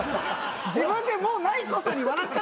自分でもうないことに笑っちゃって。